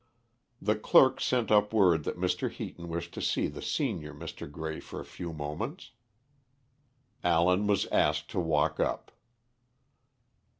The clerk sent up word that Mr. Heaton wished to see the senior Mr. Grey for a few moments. Allen was asked to walk up.